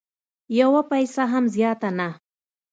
یوه پیسه هم زیاته نه